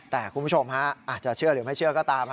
แต่คุณผู้ชมฮะอาจจะเชื่อหรือไม่เชื่อก็ตาม